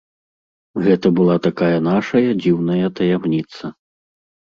Гэта была такая нашая дзіўная таямніца.